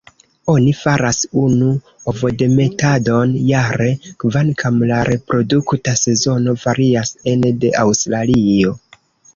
Oni faras unu ovodemetadon jare, kvankam la reprodukta sezono varias ene de Aŭstralio.